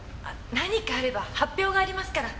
何かあれば発表がありますから。